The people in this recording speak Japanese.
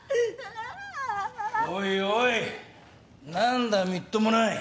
おいおい何だみっともない。